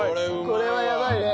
これはやばいね。